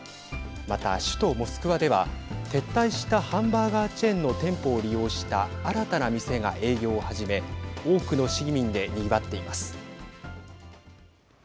また、首都モスクワでは撤退したハンバーガーチェーンの店舗を利用した新たな店が営業を始め多くの市民でにぎわっています。